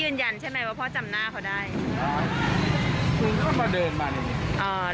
ยืนยันใช่ไหมว่าพ่อจำหน้าเขาได้ได้คุณก็มาเดินมาอย่างงี้